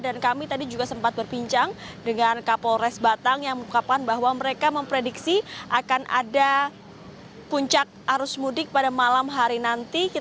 dan kami tadi juga sempat berbincang dengan kapolres batang yang mengungkapkan bahwa mereka memprediksi akan ada puncak arus mudik pada malam hari nanti